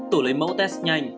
tổ lấy mẫu test nhanh